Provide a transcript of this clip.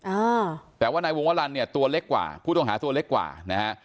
อ่าแต่ว่านายวงวลันเนี่ยตัวเล็กกว่าผู้ต้องหาตัวเล็กกว่านะฮะ